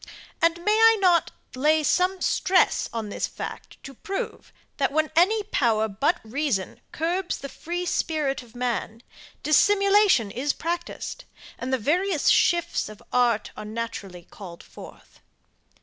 And may I not lay some stress on this fact to prove, that when any power but reason curbs the free spirit of man, dissimulation is practised, and the various shifts of art are naturally called forth?